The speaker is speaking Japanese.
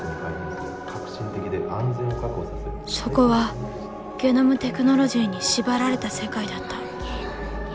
そこはゲノムテクノロジーに縛られた世界だった。